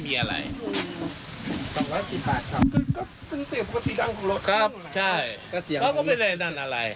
เขาก็ไม่ได้นั่นอะไร